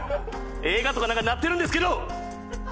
映画とかなんかになってるんですけど！